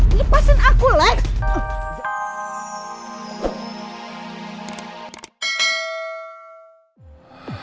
lepasin aku alex